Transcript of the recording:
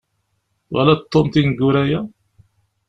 Twalaḍ Tom tineggura-ya?